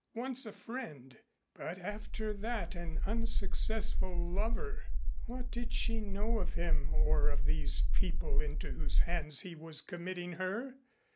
Once a friend, but after that an unsuccessful lover! What did she know of him or of these people into whose hands he was committing her?